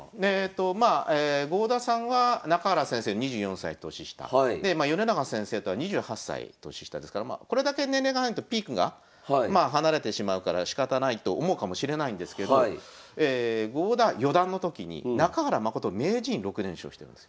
まあ郷田さんは中原先生２４歳年下で米長先生とは２８歳年下ですからこれだけ年齢が離れてるとピークが離れてしまうからしかたないと思うかもしれないんですけど郷田四段の時に中原誠名人に６連勝してるんですよ。